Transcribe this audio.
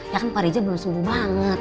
ya kan pak rizal belum sembuh banget